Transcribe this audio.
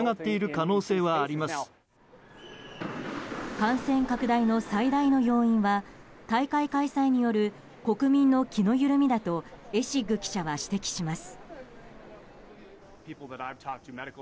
感染拡大の最大の要因は大会開催による国民の気の緩みだとエシッグ記者は指摘します。